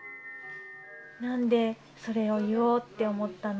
なんでそれを言おうって思ったの？